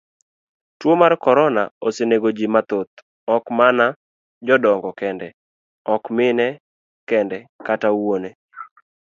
Tuo mar korona osenegoji mathoth ok mana jodongo kende, ok mine kende kata wuone.